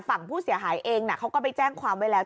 ฝั่งผู้เสียหายเองเขาก็ไปแจ้งความไว้แล้ว